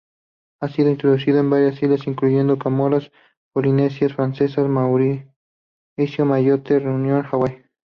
Ha sido introducido en varias islas, incluyendo Comoras, Polinesia Francesa, Mauricio, Mayotte, Reunión, Hawái.